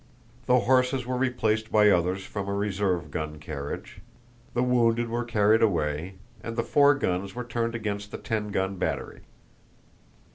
The horses were replaced by others from a reserve gun carriage, the wounded were carried away, and the four guns were turned against the ten gun battery.